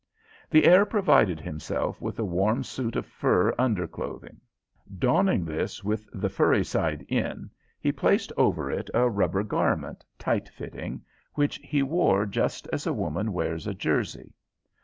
The heir provided himself with a warm suit of fur under clothing. Donning this with the furry side in, he placed over it a rubber garment, tightfitting, which he wore just as a woman wears a jersey.